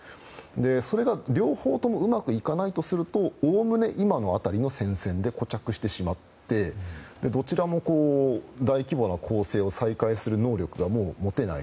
それが両方ともうまくいかないとするとおおむね、今の辺りの戦線で膠着してしまって、どちらも大規模な攻勢を再開する能力がもう持てない。